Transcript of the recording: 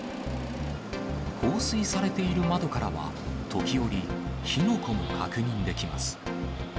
放水されている窓からは、時折、火の粉も確認できます。